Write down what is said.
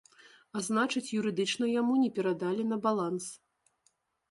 А значыць, юрыдычна яму не перадалі на баланс.